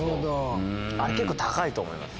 あれ結構高いと思います。